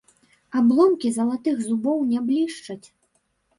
Абломкі залатых зубоў не блішчаць.